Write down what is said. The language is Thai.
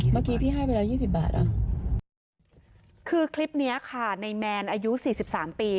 เมื่อกี้พี่ให้ไปแล้วยี่สิบบาทอ่ะคือคลิปเนี้ยค่ะในแมนอายุสี่สิบสามปี